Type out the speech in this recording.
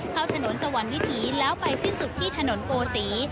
เข้าถนนสวรรค์วิถีแล้วไปสิ้นสุดที่ถนนโกศี